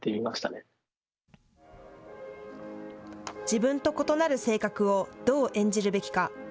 自分と異なる性格をどう演じるべきか。